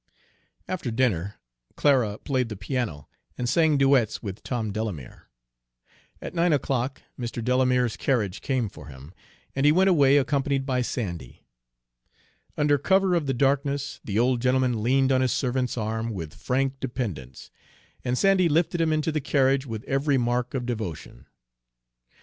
After dinner Clara played the piano and sang duets with Tom Delamere. At nine o'clock Mr. Delamere's carriage came for him, and he went away accompanied by Sandy. Under cover of the darkness the old gentleman leaned on his servant's arm with frank dependence, and Sandy lifted him into the carriage with every mark of devotion.